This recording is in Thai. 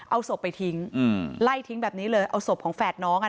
เอาศพไปทิ้งไล่ทิ้งแบบนี้เลยเอาศพของแฝดน้องอ่ะ